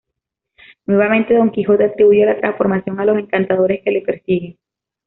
Nuevamente don Quijote atribuye la transformación a los encantadores que le persiguen.